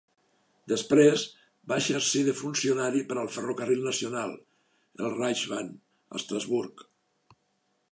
Després, va exercir de funcionari per al ferrocarril nacional, el Reichsbahn, a Estrasburg.